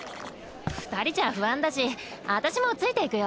２人じゃ不安だし私もついていくよ。